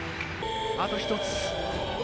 あと１つ。